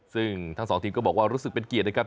ซึ่งทั้งสองทีมก็บอกว่ารู้สึกเป็นเกียรตินะครับ